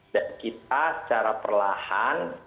dan kita secara perlahan